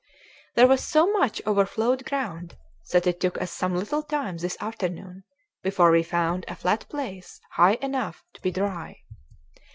There was so much overflowed ground that it took us some little time this afternoon before we found a flat place high enough to be dry.